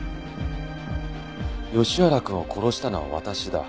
「吉原君を殺したのは私だ」